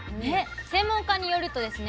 専門家によるとですね